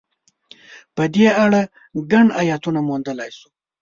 په دې اړه ګڼ ایتونه موندلای شو.